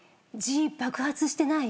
痔爆発してない？